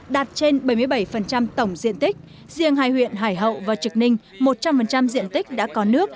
đạt trên bảy mươi bảy tổng diện tích riêng hai huyện hải hậu và trực ninh một trăm linh diện tích đã có nước